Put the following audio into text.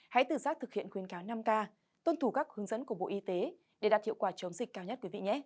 hãy tự giác thực hiện khuyến cáo năm k tuân thủ các hướng dẫn của bộ y tế để đạt hiệu quả chống dịch cao nhất